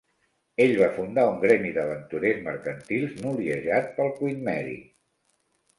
Ell va fundar un gremi d'aventurers mercantils noliejat pel Queen Mary.